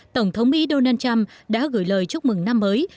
tổng thống mỹ donald trump đã gửi lời chúc mừng năm mới